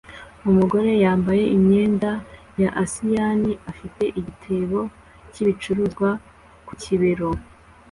Umugore yambaye imyenda ya asiyani afite igitebo cyibicuruzwa ku kibero